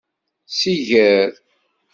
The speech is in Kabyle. Siger.